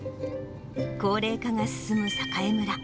高齢化が進む栄村。